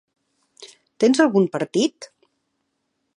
Tens algun partit?